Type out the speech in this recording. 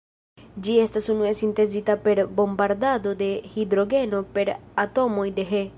Ĝi estis unue sintezita per bombardado de hidrogeno per atomoj de He.